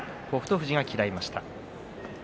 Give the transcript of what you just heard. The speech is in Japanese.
富士が嫌いました。